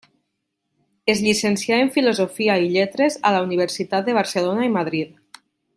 Es llicencià en Filosofia i Lletres a la Universitat de Barcelona i Madrid.